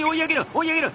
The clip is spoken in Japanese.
追い上げる！